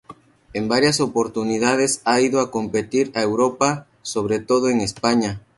En varias oportunidades ha ido a competir a Europa, sobre todo en España.